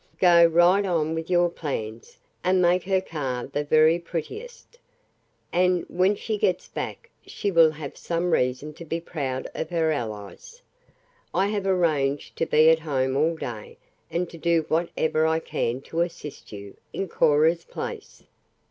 Go right on with your plans, and make her car the very prettiest, and when she gets back she will have some reason to be proud of her allies. I have arranged to be at home all day, and to do whatever I can to assist you, in Cora's place."